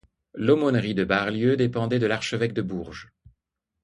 L'aumônerie de Barlieu dépendait de l'archevêque de Bourges.